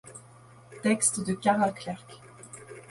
Textes de Karin Clercq.